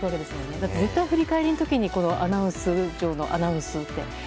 だって絶対、振り返りの時にアナウンス嬢のアナウンスって。